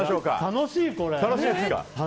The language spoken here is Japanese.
楽しい、これ。